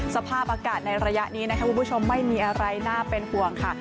สภาพอากาศในระยะนี้นะคะคุณผู้ชมไม่มีอะไรน่าเป็นห่วงค่ะ